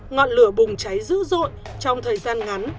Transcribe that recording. ngọn lửa bùng cháy dữ dội trong thời gian ngắn